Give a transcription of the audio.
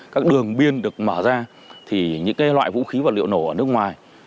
các đường biên được mở ra thì những cái loại vũ khí và liệu nổ ở nước ngoài